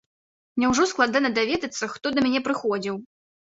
Няўжо складана даведацца, хто да мяне прыходзіў?!